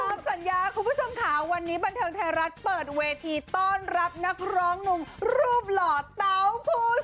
ตามสัญญาคุณผู้ชมค่ะวันนี้บันเทิงไทยรัฐเปิดเวทีต้อนรับนักร้องหนุ่มรูปหล่อเตาฟูส